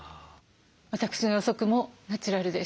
私の予測もナチュラルでした。